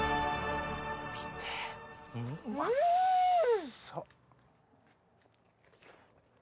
見てうまそ！